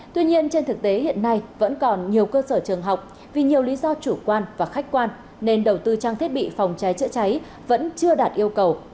tuy nhiên trên thực tế hiện nay vẫn còn nhiều cơ sở trường học vì nhiều lý do chủ quan và khách quan nên đầu tư trang thiết bị phòng cháy chữa cháy vẫn chưa đạt yêu cầu